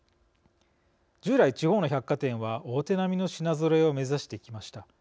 従来、地方の百貨店は大手並みの品ぞろえを目指してきました。